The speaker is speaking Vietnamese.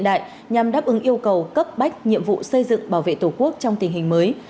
thứ trưởng yêu cầu cấp bách nhiệm vụ xây dựng bảo vệ tổ quốc trong tình hình mới